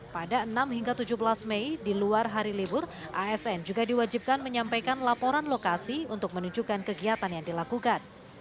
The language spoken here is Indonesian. pada enam hingga tujuh belas mei di luar hari libur asn juga diwajibkan menyampaikan laporan lokasi untuk menunjukkan kegiatan yang dilakukan